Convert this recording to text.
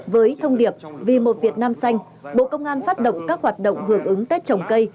với thông điệp vì một việt nam xanh bộ công an phát động các hoạt động hưởng ứng tết trồng cây